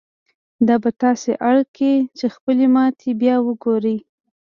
دا به تاسې اړ کړي چې خپلې ماتې بيا وګورئ.